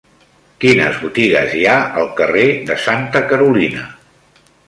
Quines botigues hi ha al carrer de Santa Carolina?